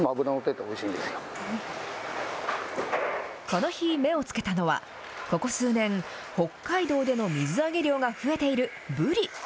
この日、目をつけたのは、ここ数年、北海道での水揚げ量が増えているブリ。